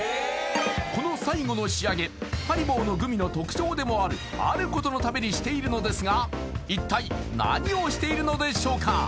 この最後の仕上げハリボーのグミの特徴でもあるあることのためにしているのですが一体何をしているのでしょうか？